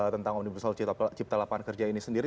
tentang omnibus soal cipta lapan kerja ini sendiri